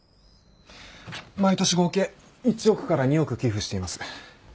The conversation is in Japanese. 毎年合計１億から２億寄付しています。